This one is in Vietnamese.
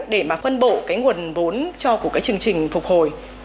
để mà phân bổ nguồn vốn cho chương trình phục hồi